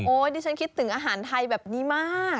ดิฉันคิดถึงอาหารไทยแบบนี้มาก